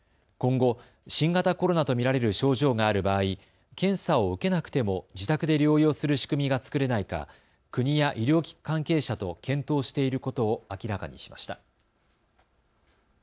今後、新型コロナと見られる症状がある場合、検査を受けなくても自宅で療養する仕組みが作れないか国や医療関係者と検討していることを明らかにしました。